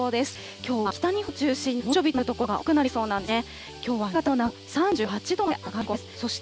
きょうは北陸や北日本を中心に、猛暑日となる所が多くなりそうなんですね。